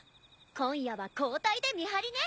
今夜は交代で見張りね！